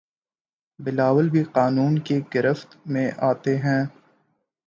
بلاول بھی قانون کی گرفت میں آتے ہیں